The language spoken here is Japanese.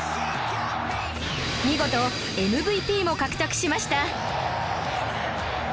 見事 ＭＶＰ も獲得しました